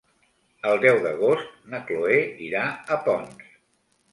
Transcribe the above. El deu d'agost na Cloè irà a Ponts.